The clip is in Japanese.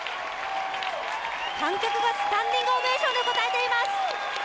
観客がスタンディングオベーションで応えています。